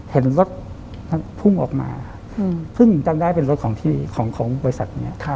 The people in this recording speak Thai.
เห็นรถพุ่งออกมาเพิ่งตั้งได้เป็นรถของบริษัท